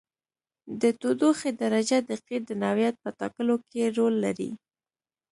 د تودوخې درجه د قیر د نوعیت په ټاکلو کې رول لري